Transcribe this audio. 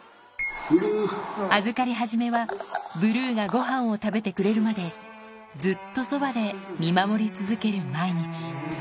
預かり初めは、ブルーがごはんを食べてくれるまで、ずっとそばで見守り続ける毎日。